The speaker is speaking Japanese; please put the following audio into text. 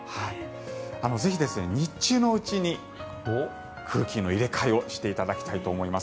ぜひ、日中のうちに空気の入れ替えをしていただきたいと思います。